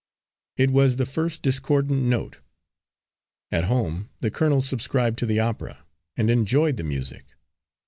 It was the first discordant note. At home, the colonel subscribed to the opera, and enjoyed the music.